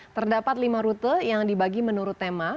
terdapat lima rute yang dibagi menurut tema